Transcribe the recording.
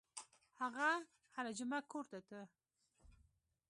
هغه هره جمعه کور ته ته.